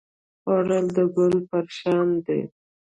خوړل د ګل پر شان دی